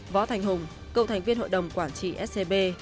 võ thành hùng cựu thành viên hội đồng quản trị scb